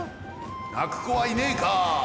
なくこはいねえか！